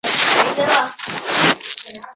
卡帕多细亚问题成为双方决裂的导火索。